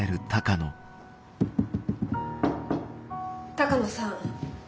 ・鷹野さん。